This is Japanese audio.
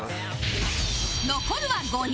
残るは５人